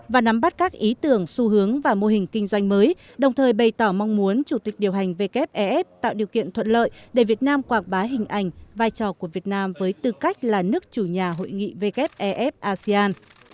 và nắm bắt các ý tưởng xu hướng và mô hình kinh doanh mới đồng thời bày tỏ mong muốn chủ tịch điều hành wfef tạo điều kiện thuận lợi để việt nam quảng bá hình ảnh vai trò của việt nam với tư cách là nước chủ nhà hội nghị wef asean